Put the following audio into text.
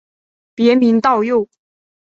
别名道佑。